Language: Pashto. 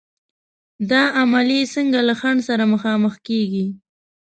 دا عملیې څنګه له خنډ سره مخامخ کېږي؟